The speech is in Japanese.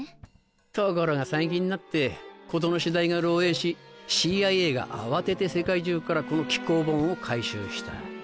ところが最近になって事の次第が漏えいしＣＩＡが慌てて世界中からこの稀覯本を回収した。